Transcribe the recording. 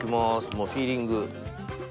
もうフィーリング。